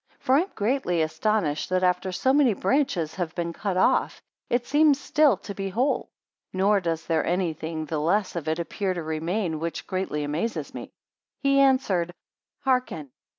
For I am greatly astonished, that after so many branches have been cut off, it seems still to be whole: nor does there any thing the less of it appear to remain, which greatly amazes me. 23 He answered, Hearken.